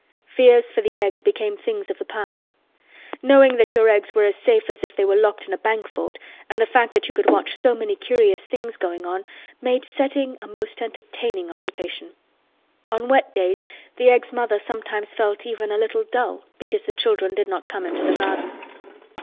Fears for the Eggs became things of the past. Knowing that your Eggs were as safe as if they were locked in a bank vault and the fact that you could watch so many curious things going on made setting a most entertaining occupation. On wet days the Eggs' mother sometimes felt even a little dull because the children did not come into the garden.